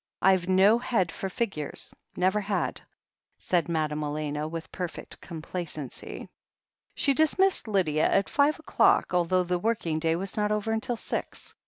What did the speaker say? I've no head for figures, and never had," said Madame Elena, with perfect complacency. She dismissed Lydia at five o'clock, although the working day was not over until six.